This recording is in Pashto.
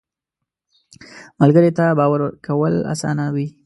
ملګری ته باور کول اسانه وي